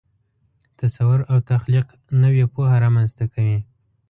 تصور او تخلیق نوې پوهه رامنځته کوي.